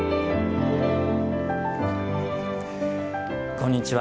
こんにちは。